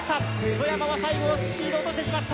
外山は最後スピードを落としてしまった。